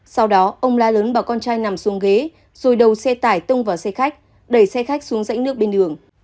sau đó ông la lớn và con trai nằm xuống ghế rồi đầu xe tải tông vào xe khách đẩy xe khách xuống rãnh nước bên đường